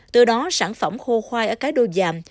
từ đó sản phẩm khô khoai ở cái đô giàm